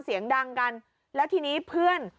เสียงดังกันแล้วทีนี้เพื่อน